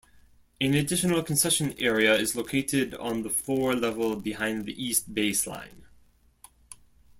An additional concession area is located on the floor level behind the east baseline.